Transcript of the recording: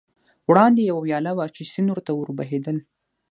وړاندې یوه ویاله وه، چې سیند ته ور بهېدل.